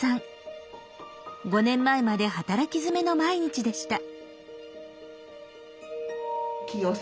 ５年前まで働きづめの毎日でした。